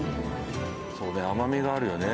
そうだよ甘みがあるよね